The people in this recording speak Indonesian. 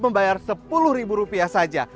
membayar sepuluh rupiah saja